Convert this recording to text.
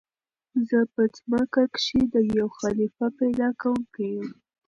"زه په ځمكه كښي د يو خليفه پيدا كوونكى يم!"